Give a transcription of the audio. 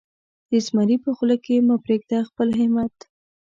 د زمري په خوله کې مه پرېږده خپل همت.